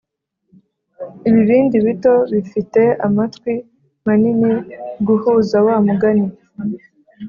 ibibindi bito bifite amatwi manini guhuza wa mugani